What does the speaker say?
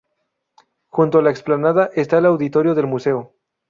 Junto a la explanada está el auditorio del museo.